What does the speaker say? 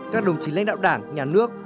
các đồng chí lãnh đạo đảng nhà nước